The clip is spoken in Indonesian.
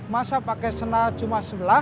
masa pakai sena cuma sebelas